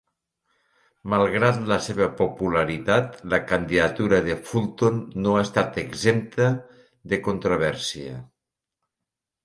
Malgrat la seva popularitat, la candidatura de Fulton no ha estat exempta de controvèrsia.